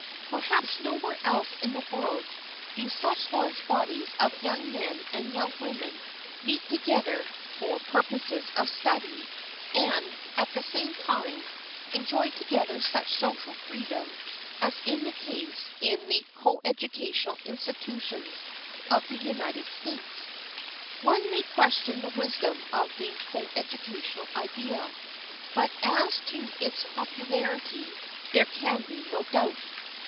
Perhaps nowhere else in the world do such large bodies of young men and young women meet together for purposes of study and, at the same time, enjoy together such social freedom as is the case in the coeducational institutions of the United States. One may question the wisdom of the coeducational idea, but as to its popularity there can be no doubt.